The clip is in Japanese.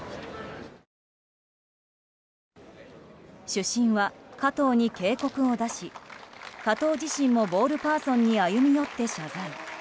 主審は加藤に警告を出し加藤自身もボールパーソンに歩み寄って謝罪。